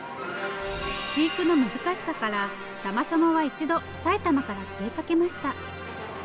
飼育の難しさからタマシャモは一度埼玉から消えかけました。